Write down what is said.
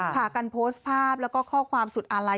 พากันโพสต์ภาพแล้วก็ข้อความสุดอาลัย